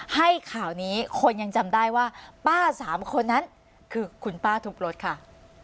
ให้ข่าวนี้คนยังจำได้ว่าป้าสามคนนั้นคือคุณป้าทุบรถค่ะ